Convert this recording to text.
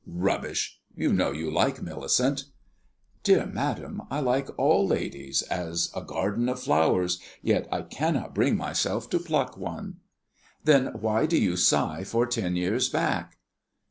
"Rubbish! You know you like Millicent." "Dear madam, I like all ladies as a garden of flowers, yet I cannot bring myself to pluck one." "Then why do you sigh for ten years back?"